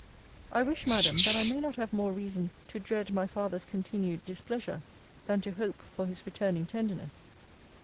I wish, Madam, that I may not have more reason to dread my father's continued displeasure, than to hope for his returning tenderness.